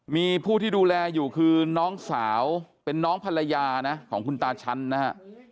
มีผู้ที่ดูแลอยู่คือน้องสาวเป็นน้องภรรยานะของคุณตาชั้นนะฮะ